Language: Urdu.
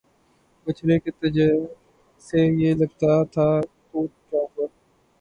بچھڑ کے تجھ سے یہ لگتا تھا ٹوٹ جاؤں گا